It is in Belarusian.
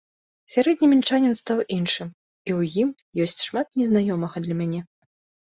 Сярэдні мінчанін стаў іншым, і ў ім ёсць шмат незнаёмага для мяне.